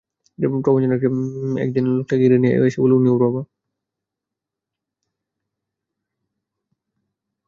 প্রভাঞ্জন একদিন লোকটাকে ঘরে নিয়ে এসে বলল উনি ওর বাবা।